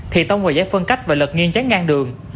thì tông và giải phân cách và lật nghiêng chán ngang đường